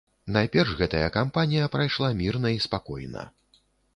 Найперш, гэтая кампанія прайшла мірна і спакойна.